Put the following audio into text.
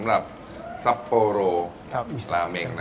อาซาฮิกาวา